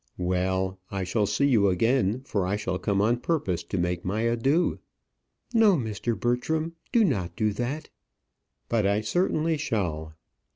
"Well, I shall see you again, for I shall come on purpose to make my adieux." "No, Mr. Bertram; do not do that." "But I certainly shall."